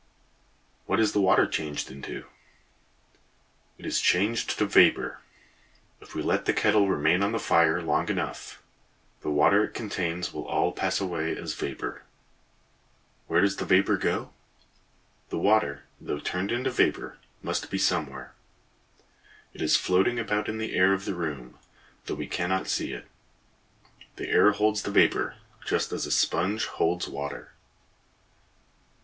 What is the water changed into? It is changed to vapor. If we let the kettle remain on the fire long enough, the water it contains will all pass away as vapor. Where does the vapor go? The water, though turned into vapor, must be somewhere. It is floating about in the air of the room, though we cannot see it. The air holds the vapor, just as a sponge holds water.